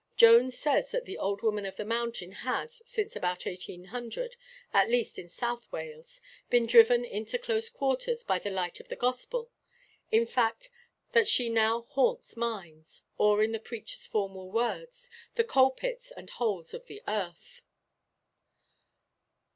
Jones says that the Old Woman of the Mountain has, since about 1800, (at least in South Wales,) been driven into close quarters by the light of the Gospel in fact, that she now haunts mines or in the preacher's formal words, 'the coal pits and holes of the earth.'